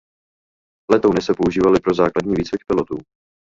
Letouny se používaly pro základní výcvik pilotů.